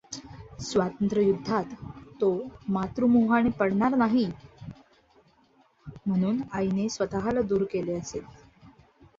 स्वातंत्र्ययुद्धात तो मातृमोहाने पडणार नाही, म्हणून आईने स्वतःला दूर केले असेल.